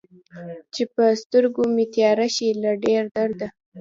چې په سترګو مې تياره شي له ډېر درده